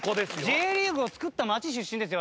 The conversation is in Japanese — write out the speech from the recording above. Ｊリーグを作った街出身ですよ